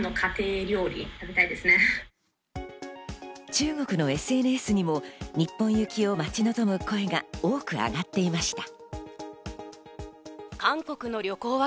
中国のＳＮＳにも日本行きを待ち望む声が多くあがっていました。